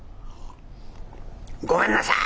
『ごめんなさい』。